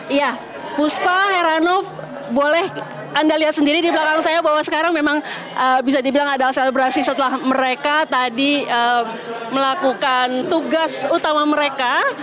iya buspa herano boleh anda lihat sendiri di belakang saya bahwa sekarang memang bisa dibilang adalah selebrasi setelah mereka tadi melakukan tugas utama mereka